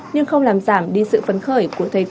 nhưng không làm giảm đi sự phấn khởi của thầy cô